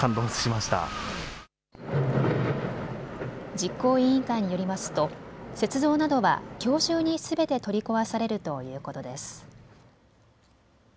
実行委員会によりますと雪像などはきょう中にすべて取り壊されるということです。